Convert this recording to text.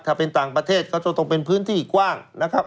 ถ้าเป็นต่างประเทศก็จะต้องเป็นพื้นที่กว้างนะครับ